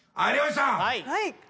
「はい」